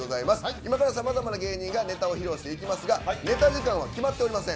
今からさまざまな芸人がネタを披露していきますがネタ時間は決まっておりません。